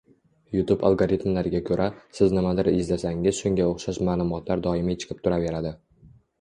YouTube algoritmlariga koʻra, siz nimanidir izlasangiz shunga oʻxshash maʼlumotlar doimiy chiqib turaveradi.